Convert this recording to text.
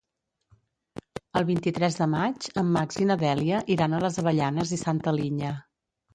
El vint-i-tres de maig en Max i na Dèlia iran a les Avellanes i Santa Linya.